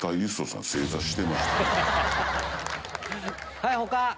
はい他！